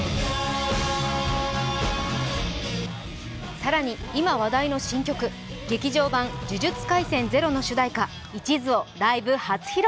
更に今話題の新曲「劇場版呪術廻戦０」の主題歌、「一途」をライブ初披露。